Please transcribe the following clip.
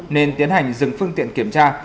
nên tiến hành dừng phương tiện kiểm tra